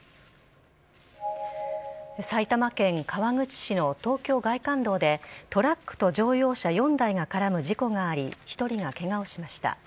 埼玉県川口市の東京外環道でトラックと乗用車４台が絡む事故があり１人がケガをしました。